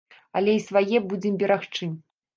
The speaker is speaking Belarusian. Але і свае будзем берагчы.